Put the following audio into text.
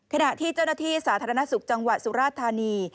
ขณะที่สถานนตรสุรทรศพที่สาธารณสุขจังหวะสุรราชธานี